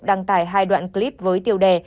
đăng tải hai đoạn clip với tiêu đề